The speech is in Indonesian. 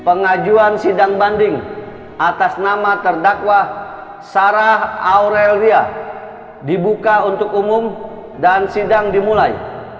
pengajuan sidang banding atas nama terdakwa sarah aurelia dibuka untuk umum dan sidang dimulai